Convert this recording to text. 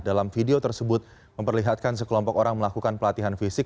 dalam video tersebut memperlihatkan sekelompok orang melakukan pelatihan fisik